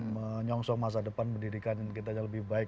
menyongsong masa depan pendidikan kita yang lebih baik